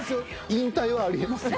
引退はあり得ますよ。